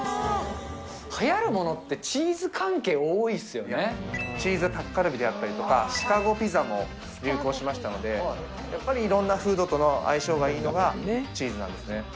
はやるものって、チーズ関係チーズタッカルビであったりとか、シカゴピザも流行しましたので、やっぱりいろんなフードとの相性がいいのがチーズなんですね。